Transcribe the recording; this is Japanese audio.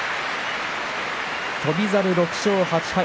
翔猿、６勝８敗。